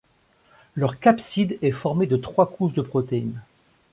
Leur capside est formée de trois couches de protéines.